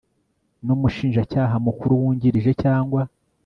n Umushinjacyaha Mukuru wungirije cyangwa